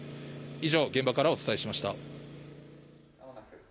以上、現場からお伝えしました。